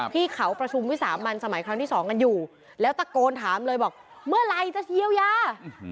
ที่เขาประชุมวิสามันสมัยครั้งที่สองกันอยู่แล้วตะโกนถามเลยบอกเมื่อไหร่จะเยียวยา